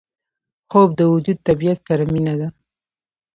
خوب د وجود طبیعت سره مینه ده